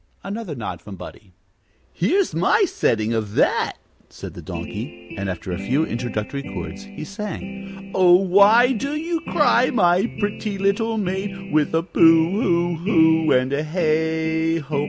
Another nod from Buddie. "Here's my setting of that," said the Donkey; and after a few introductory chords, he sang: "'Oh, why do you cry, my pretty little maid, With a Boo hoo hoo and a Heigho?'